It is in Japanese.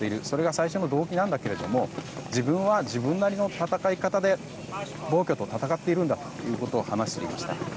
それが最初の動機なんだけど自分は自分なりの戦い方で暴挙と戦っているんだと話していました。